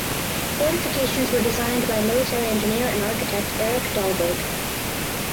Fortifications were designed by military engineer and architect Erik Dahlberg.